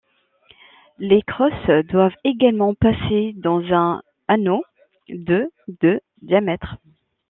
Les crosses doivent également passer dans un anneau de de diamètre.